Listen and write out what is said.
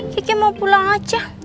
kiki mau pulang aja